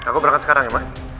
aku berangkat sekarang ya pak